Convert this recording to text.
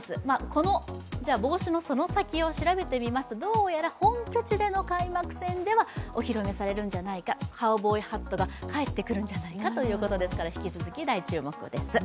その帽子の先を調べると本拠地での試合ではお披露目されるんじゃないか、カウボーイハットが帰ってくるんじゃないかということですから引き続き、大注目です。